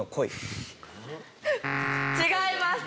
違います。